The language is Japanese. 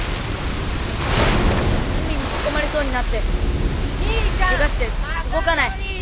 海に引き込まれそうになってケガして動かない。